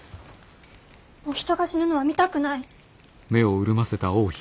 もう人が死ぬのは見たくない。